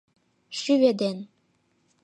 Шӱведен